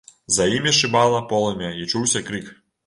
За імі шыбала полымя і чуўся крык.